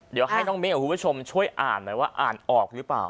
ดีกว่าให้น้องเมดกัลคูประชมช่วยอ่อนหมายว่าอ่อนออกรึเปล่า